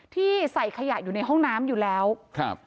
ที่ใส่ขยะอยู่ในห้องน้ำอยู่แล้วครับ